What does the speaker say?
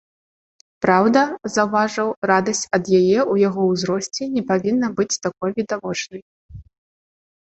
Праўда, заўважаў, радасць ад яе ў яго ўзросце не павінна быць такой відавочнай.